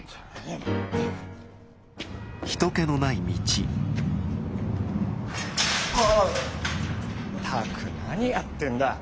ったく何やってんだ。